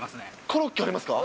コロッケありますか。